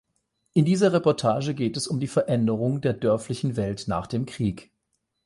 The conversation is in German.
In dieser Reportage geht es um die Veränderung der dörflichen Welt nach dem Krieg.